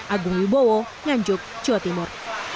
agung wibowo nganjuk jawa timur